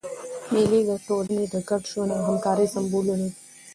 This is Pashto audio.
مېلې د ټولني د ګډ ژوند او همکارۍ سېمبولونه دي.